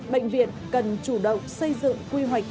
bệnh viện cần chủ động xây dựng quy hoạch tổng thống